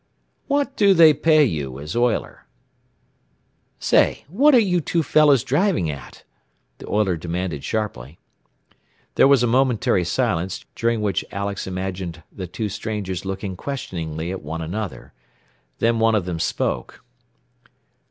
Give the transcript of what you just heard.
"What do they pay you, as oiler?" "Say, what are you two fellows driving at?" the oiler demanded sharply. There was a momentary silence, during which Alex imagined the two strangers looking questioningly at one another. Then one of them spoke.